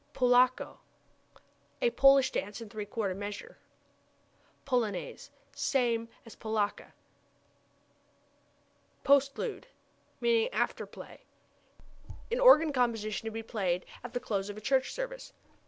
Polacca a Polish dance in three quarter measure. Polonaise same as polacca. Postlude (lit. after play) an organ composition to be played at the close of a church service.